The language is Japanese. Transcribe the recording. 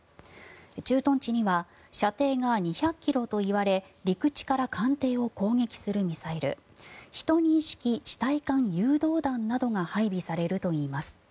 駐屯地には射程が２００ｋｍといわれ陸地から艦艇を攻撃するミサイル１２式地対艦誘導弾などが配備されるといいます。